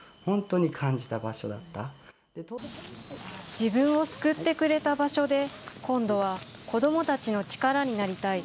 自分を救ってくれた場所で、今度は子どもたちの力になりたい。